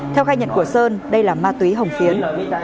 theo khai nhận của sơn đây là ma túy hồng phiến